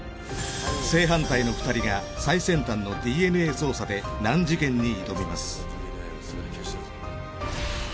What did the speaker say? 正反対の２人が最先端のＤＮＡ捜査で難事件に挑みます。